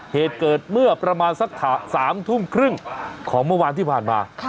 เหตุเกิดเมื่อประมาณสัก๓ทุ่มครึ่งของเมื่อวานที่ผ่านมา